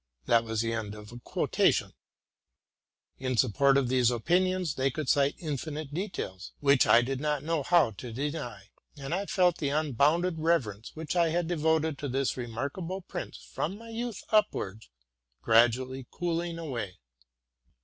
'' In support of these opinions they could cite infinite details, which I did not know how to deny; and I felt the unbounded reverence which I had devoted to this remarkable prince, from my youth upwards, gradually cooling away.